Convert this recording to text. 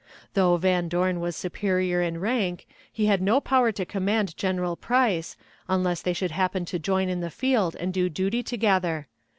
Though Van Dorn was superior in rank, he had no power to command General Price, unless they should happen to join in the field and do duty together.